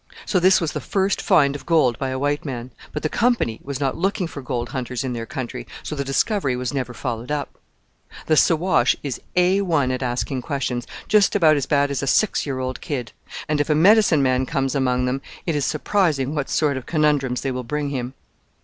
So this was the first find of gold by a white man; but the Company was not looking for gold hunters in their country, so the discovery was never followed up. "The Siwash is A1 at asking questions just about as bad as a six year old kid; and if a medicine man comes among them it is surprising what sort of conundrums they will bring him."